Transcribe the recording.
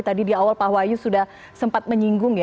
tadi di awal pak wahyu sudah sempat menyinggung ya